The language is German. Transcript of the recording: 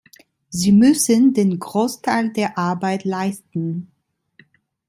Sie müssen den Großteil der Arbeit leisten.